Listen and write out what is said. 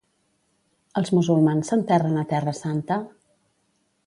Els musulmans s'enterren a terra santa?